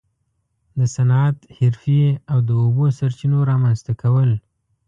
د صنعت، حرفې او د اوبو سرچینو رامنځته کول.